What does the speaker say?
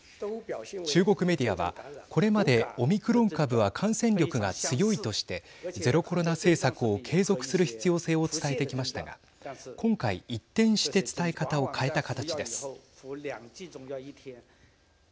中国メディアはこれまでオミクロン株は感染力が強いとしてゼロコロナ政策を継続する必要性を伝えてきましたが今回一転して伝え方を変えた形です。